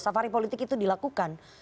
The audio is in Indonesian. safari politik itu dilakukan